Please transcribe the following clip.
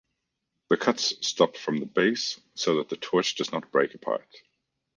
The cuts stop from the base so that the torch does not break apart.